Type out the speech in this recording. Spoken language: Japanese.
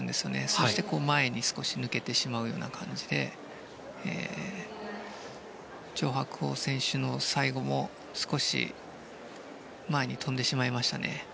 そして、前に少し抜けてしまうような感じでチョウ・ハクコウ選手の最後も少し前に飛んでしまいましたね。